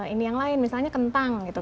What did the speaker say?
ini yang lain misalnya kentang gitu